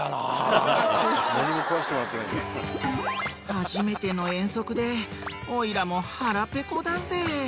初めての遠足でおいらも腹ぺこだぜ。